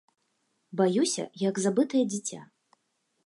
Баюся, як забытае дзіця.